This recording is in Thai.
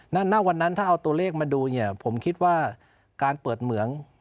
ณวันนั้นถ้าเอาตัวเลขมาดูเนี่ยผมคิดว่าการเปิดเหมือง